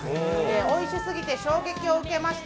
おいしすぎて衝撃を受けました